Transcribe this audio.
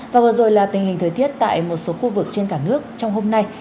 và vừa rồi là tình hình thời tiết tại một số khu vực trên cả nước trong hôm nay